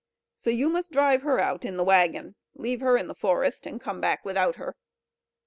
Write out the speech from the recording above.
So you must drive her out in the waggon, leave her in the forest, and come back without her."